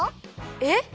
えっ？